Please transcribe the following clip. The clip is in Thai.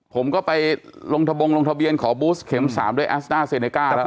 ผมก็ไปลงทะบงลงทะเบียนขอบูสเข็ม๓ด้วยแอสต้าเซเนก้าแล้ว